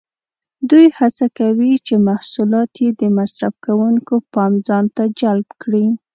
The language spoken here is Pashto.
دوی هڅه کوي چې محصولات یې د مصرف کوونکو پام ځانته جلب کړي.